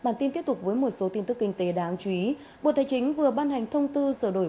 bản tin tiếp tục với một số tin tức kinh tế đáng chú ý bộ tài chính vừa ban hành thông tư sửa đổi